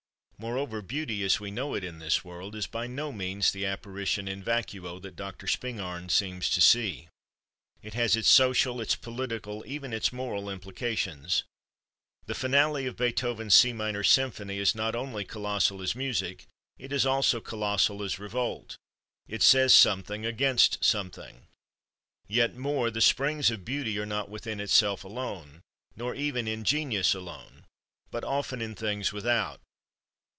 Moreover, beauty as we know it in this world is by no means the apparition in vacuo that Dr. Spingarn seems to see. It has its social, its political, even its moral implications. The finale of Beethoven's C minor symphony is not only colossal as music; it is also colossal as revolt; it says something against something. Yet more, the springs of beauty are not within itself alone, nor even in genius alone, but often in things without.